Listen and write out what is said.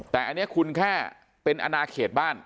แต่อันนี้คุณแค่เป็นอนาเขตบ้าน